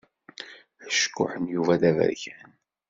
Acekkuḥ n Yuba d aberkan.